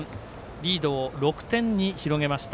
リードを６点に広げました。